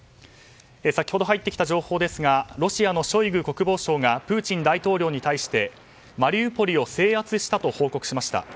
先ほど入ってきた情報ですがロシアのショイグ国防相がプーチン大統領に対してマリウポリを制圧したと報告しました。